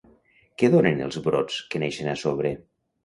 Què donen els brots que neixen a sobre?